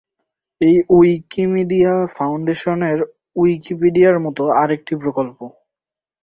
এটি উইকিমিডিয়া ফাউন্ডেশনের উইকিপিডিয়ার মত আরেকটি প্রকল্প।